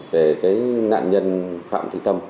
để nạn nhân phạm thị tâm